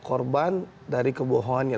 korban dari kebohongan yang